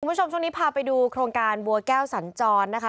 คุณผู้ชมช่วงนี้พาไปดูโครงการบัวแก้วสัญจรนะคะ